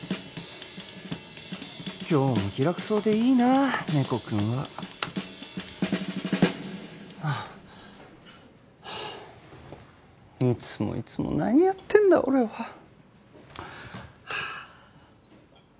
今日も気楽そうでいいな猫君はあっ。いつもいつも何やってんだ俺は。